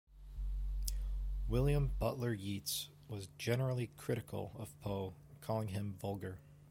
William Butler Yeats was generally critical of Poe, calling him vulgar.